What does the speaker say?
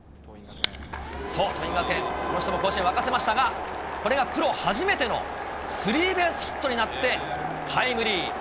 そう、とりわけ沸かせましたが、これがプロ初めてのスリーベースヒットになって、タイムリー。